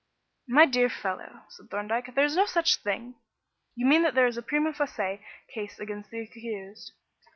"My dear fellow," said Thorndyke, "there is no such thing. You mean that there is a prima facie case against the accused."